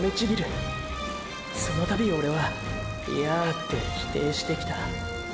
そのたびオレは「いやぁ」って否定してきた。